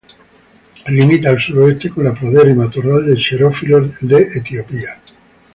Limita al suroeste con la pradera y matorral xerófilos de Etiopía.